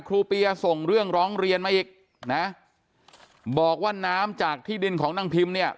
เปียส่งเรื่องร้องเรียนมาอีกนะบอกว่าน้ำจากที่ดินของนางพิมเนี่ย